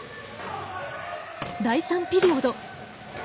第３ピリオド。